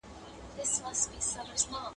د تیروتنو جبران ضروري دی.